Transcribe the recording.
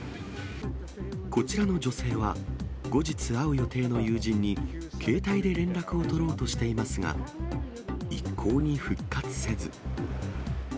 こちらの女性は、後日会う予定の友人に、携帯で連絡を取ろうとしていますが、一向に復活せず。